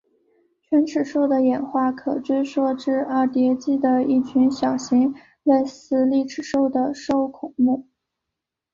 犬齿兽的演化可追溯到二叠纪的一群小型类似丽齿兽的兽孔目。